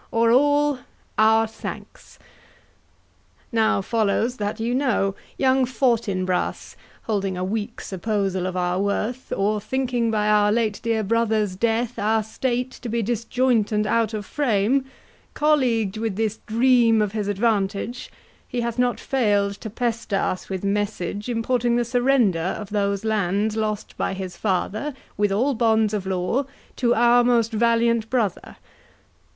For all, our thanks. Now follows, that you know young Fortinbras, Holding a weak supposal of our worth, Or thinking by our late dear brother's death Our state to be disjoint and out of frame, Colleagued with this dream of his advantage, He hath not fail'd to pester us with message, Importing the surrender of those lands Lost by his father, with all bonds of law, To our most valiant brother.